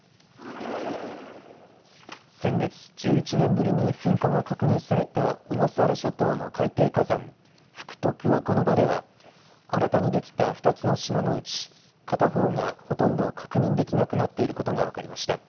先月、１１年ぶりに噴火が確認された小笠原諸島の海底火山、福徳岡ノ場では新たにできた２つの島のうち片方がほとんど確認できなくなっていることが分かりました。